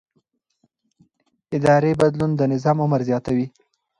اداري بدلون د نظام عمر زیاتوي